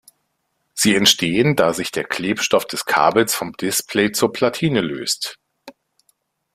Sie entstehen, da sich der Klebstoff des Kabels vom Display zur Platine löst.